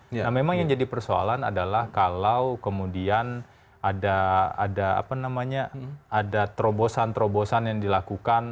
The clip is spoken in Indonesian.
nah memang yang jadi persoalan adalah kalau kemudian ada terobosan terobosan yang dilakukan